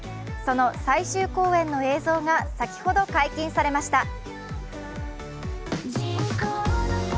その最終公演の映像が先ほど解禁されました。